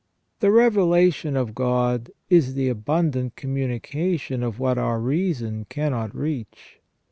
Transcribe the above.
The revelation of God is the abundant communication of what our reason cannot reach.